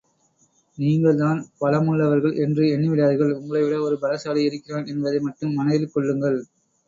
நீங்கள்தான் பலமுளளவர்கள் என்று எண்ணி விடாதீர்கள் உங்களை விட ஒரு பலசாலி இருக்கிறான் என்பதை மட்டும் மனதில் கொள்ளுங்கள்.